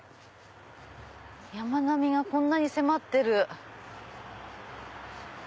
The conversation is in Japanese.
山並みがこんなに迫ってる！